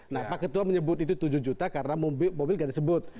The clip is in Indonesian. nah pak ketua menyebut itu tujuh juta karena mobil tidak disebut